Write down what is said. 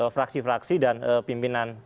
fraksi fraksi dan pimpinan